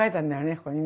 ここにね。